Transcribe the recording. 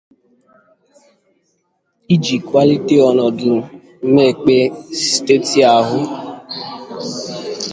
iji kwalite ọnọdụ mmepe steeti ahụ.